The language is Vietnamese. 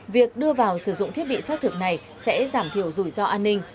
việc đưa vào sử dụng thiết bị xác thực này sẽ giảm thiểu rủi ro an ninh